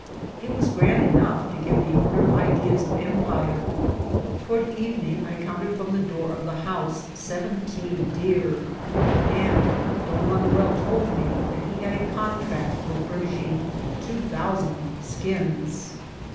It was grand enough to give the owne9 ideas of empire. Toward evening I counted firom the door of the house seventeen deer, and Don Manuel told me that he had a contract fi>r finmishing two thousand skins.